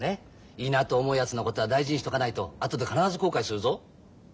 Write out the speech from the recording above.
いいなあと思うやつのことは大事にしとかないと後で必ず後悔するぞ。